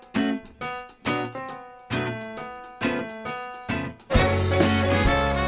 ทิ้งของอาหาร